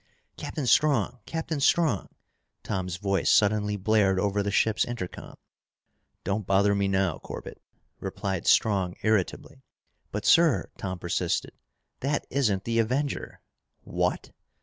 "Captain Strong! Captain Strong!" Tom's voice suddenly blared over the ship's intercom. "Don't bother me now, Corbett," replied Strong irritably. "But, sir," Tom persisted, "that isn't the Avenger!" "What!"